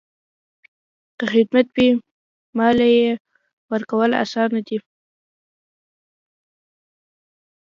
که خدمات وي، مالیه ورکول اسانه دي؟